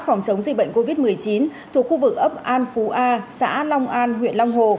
phòng chống dịch bệnh covid một mươi chín thuộc khu vực ấp an phú a xã long an huyện long hồ